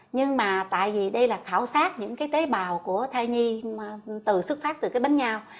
nhưng mà tại vì đây là khảo sát những cái tế bào của thai nhi từ xuất phát từ cái bên nhau